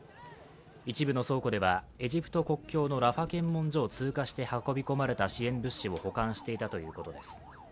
一部の倉庫では、エジプト国境のラファ検問所を通過して運び込まれた支援物資を保管していたということです。